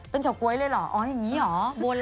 เป็นเฉาก๊วยเลยเหรออ๋ออย่างนี้เหรอ